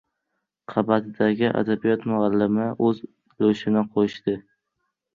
Qabatidagi adabiyot muallimi o‘z ulushini qo‘shdi: